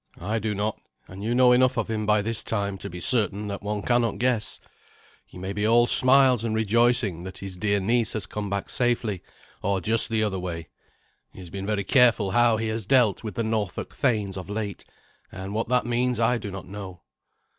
I do not, and you know enough of him by this time to be certain that one cannot guess. He may be all smiles and rejoicing that his dear niece has come back safely, or just the other way. He has been very careful how he has dealt with the Norfolk thanes of late, and what that means I do not know."